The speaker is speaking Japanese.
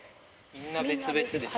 みんな別々です。